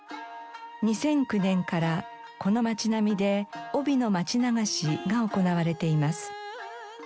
２００９年からこの街並みで帯のまち流しが行われています。